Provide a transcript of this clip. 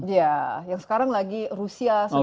iya yang sekarang lagi rusia sedang